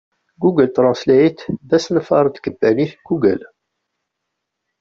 Google Translate d asenfaṛ n tkebbanit Google.